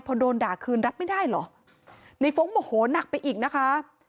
พอโดนด่าคืนรับไม่ได้เหรอในฟ้องโมโหนักไปอีกนะคะ